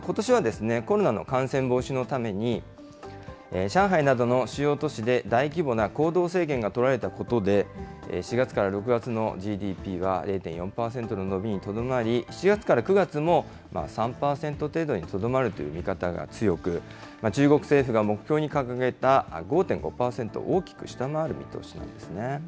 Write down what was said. ことしはコロナの感染防止のために、上海などの主要都市で大規模な行動制限が取られたことで、４月から６月のＧＤＰは０．４％の伸びにとどまり、７月から９月も３％程度にとどまるという見方が強く、中国政府が目標に掲げた５．５％を大きく下回る見通しなんですね。